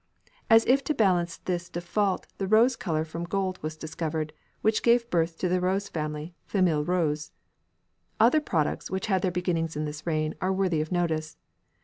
As if to balance this default the rose colour from gold was discovered, which gave birth to the rose family, "famille rose." Other products which had their beginnings in this reign are worthy of notice.